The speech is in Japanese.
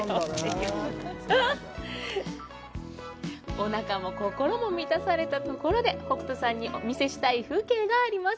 おなかも心も満たされたところで北斗さんにお見せしたい風景があります